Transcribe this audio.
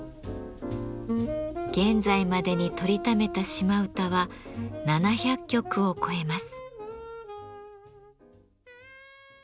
現在までにとりためた島唄は７００曲を超えます。